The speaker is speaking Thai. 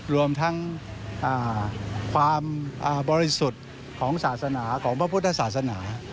รวมทั้งความบริสุทธิ์ของภาพุทธศาสนา